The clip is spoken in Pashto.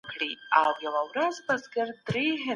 د سياست پر علمي والي ژور بحث وکړئ.